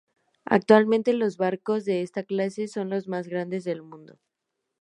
Actualmente los barcos de esta clase son los más grandes del mundo.